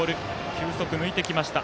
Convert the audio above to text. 球速抜いてきました。